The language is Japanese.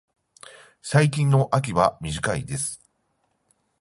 最近の秋は短いです。